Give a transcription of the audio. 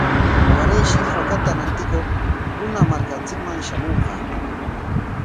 Warayshi hakata rantikuq runa markanchikman shamunqa.